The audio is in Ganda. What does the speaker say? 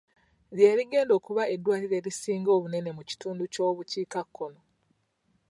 Lye ligenda okuba eddwaliro erisinga obunene mu kitundu ky'obukiikakkono.